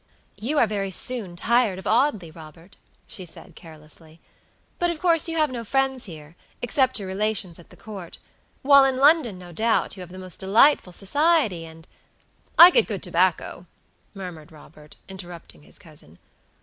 "You are very soon tired of Audley, Robert," she said, carelessly; "but of course you have no friends here, except your relations at the Court; while in London, no doubt, you have the most delightful society and" "I get good tobacco," murmured Robert, interrupting his cousin.